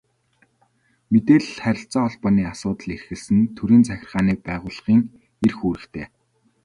Мэдээлэл, харилцаа холбооны асуудал эрхэлсэн төрийн захиргааны байгууллагын эрх үүрэгтэй танилцах учиртай.